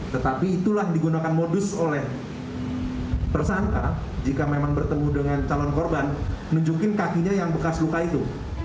tetapi itulah digunakan modus oleh tersangka jika memang bertemu dengan calon korban nunjukin kakinya yang bekas luka itu